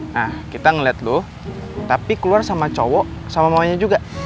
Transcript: nah kita ngeliat loh tapi keluar sama cowok sama maunya juga